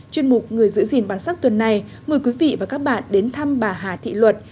chuyên mục người giữ gìn bản sắc tuần này mời quý vị và các bạn đến thăm bà hà thị luật